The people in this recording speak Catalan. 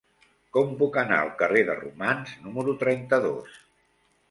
Com puc anar al carrer de Romans número trenta-dos?